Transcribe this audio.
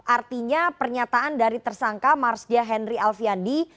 artinya pernyataan dari tersangka marsdia henry alfandi